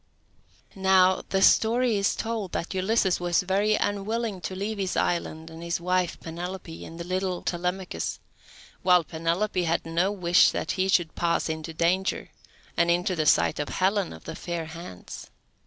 Now the story is told that Ulysses was very unwilling to leave his island and his wife Penelope, and little Telemachus; while Penelope had no wish that he should pass into danger, and into the sight of Helen of the fair hands.